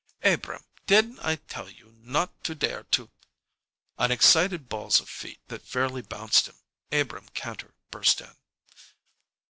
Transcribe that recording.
"Abrahm, didn't I tell you not to dare to " On excited balls of feet that fairly bounced him, Abrahm Kantor burst in.